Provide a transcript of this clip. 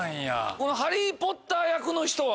このハリー・ポッター役の人は。